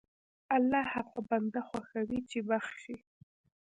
الله هغه بنده خوښوي چې بخښي.